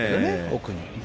奥に。